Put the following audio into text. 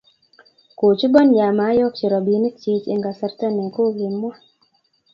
kochubon ya mayokchi robinik chich eng' kasarta ne kokimwaa